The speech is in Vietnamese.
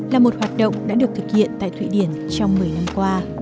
là một hoạt động đã được thực hiện tại thụy điển trong một mươi năm qua